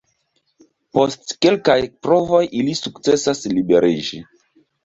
Post kelkaj provoj, ili sukcesas liberiĝi.